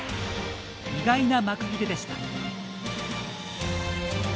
意外な幕切れでした。